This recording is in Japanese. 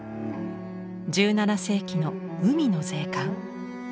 １７世紀の「海の税関」。